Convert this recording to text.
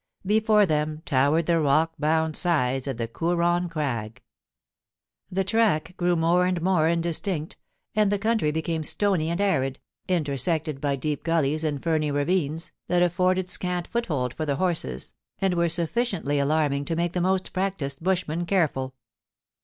Before them towered the rock bound sides of the Koorong Crag. The track grew more and more indistinct, and the country became stony and arid, intersected by deep gullies and ferny ravines, that afforded scant foothold for the horses, and were sufficiently alarmirig to make the most practised bushman careful.